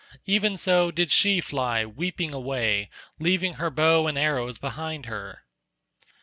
Even so did she fly weeping away, leaving her bow and arrows behind her.